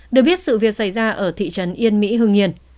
được biết sự việc xảy ra ở thị trấn yên mỹ hương nhiên